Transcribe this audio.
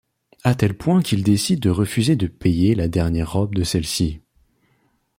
A tel point qu'il décide de refuser de payer la dernière robe de celle-ci.